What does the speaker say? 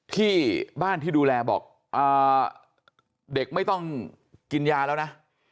ที่บ้านที่ดูแลบอกเด็กไม่ต้องกินยาแล้วนะ